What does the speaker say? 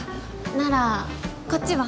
ならこっちは？